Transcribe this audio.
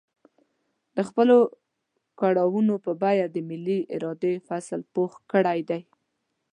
د خپلو کړاوونو په بيه د ملي ارادې فصل پوخ کړی دی.